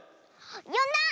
よんだ？